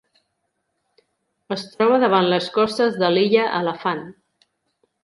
Es troba davant les costes de l'illa Elefant.